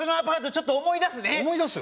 ちょっと思い出すね思い出す？